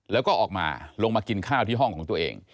แล้วก็ออกมาลงมากินข้าวที่ห้องของตัวเอง